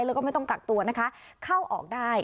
แล้วก็ไม่ต้องกักตัวนะคะเข้าออกได้